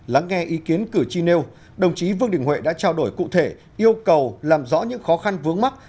lắng nghe ý kiến cử tri nêu đồng chí vương đình huệ đã trao đổi cụ thể yêu cầu làm rõ những khó khăn vướng mắt